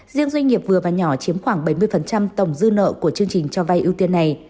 riêng doanh nghiệp vừa và nhỏ chiếm khoảng bảy mươi tổng dư nợ của chương trình cho vay ưu tiên này